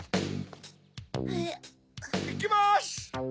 いきます！